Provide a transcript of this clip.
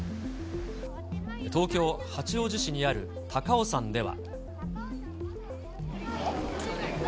東京・八王子市にある高尾山では。